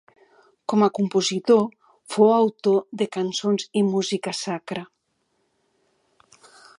Com a compositor, fou autor de cançons i música sacra.